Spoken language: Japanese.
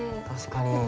確かに。